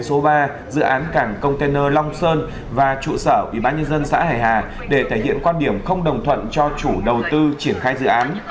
số ba dự án cảng container long sơn và trụ sở ubnd xã hải hà để thể hiện quan điểm không đồng thuận cho chủ đầu tư triển khai dự án